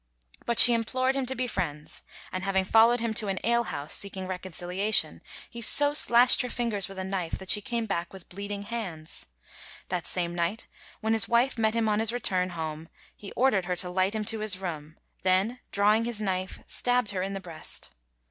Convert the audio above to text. But she implored him to be friends, and having followed him to an ale house seeking reconciliation, he so slashed her fingers with a knife that she came back with bleeding hands. That same night, when his wife met him on his return home, he ordered her to light him to his room, then drawing his knife, stabbed her in the breast.